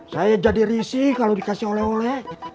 saya jadi risih kalau dikasih oleh oleh